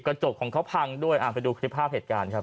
กระจกของเขาพังด้วยไปดูคลิปภาพเหตุการณ์ครับ